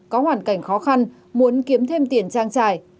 có hoàn cảnh khó khăn muốn kiếm thêm tiền trang trải